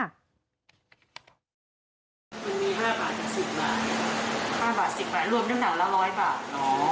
คุณมีห้าบาทจากสิบบาทห้าบาทสิบบาทรวมด้วยหนังละร้อยบาทอ๋อ